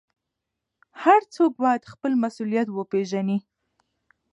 هر څوک باید خپل مسوولیت وپېژني.